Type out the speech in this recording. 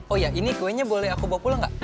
oh iya ini kuenya boleh aku bawa pulang gak